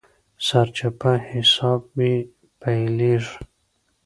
سرچپه حساب يې پيلېږي.